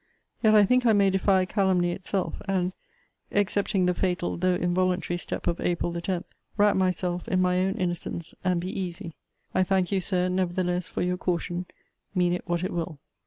Yet I think I may defy calumny itself, and (excepting the fatal, though involuntary step of April 10) wrap myself in my own innocence, and be easy. I thank you, Sir, nevertheless, for your caution, mean it what it will.